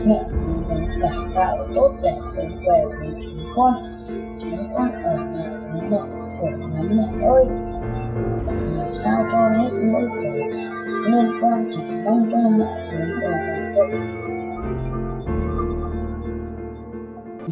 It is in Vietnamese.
mẹ con vẫn cải tạo tốt dạng sức khỏe của chúng con chẳng quan hệ với mẹ của con mẹ ơi làm sao cho hết mỗi khổ nên con chỉ mong cho mẹ dùng về thời gian để chúng con để lo cho con ăn học